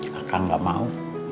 kakak gak mau